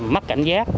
mất cảnh giác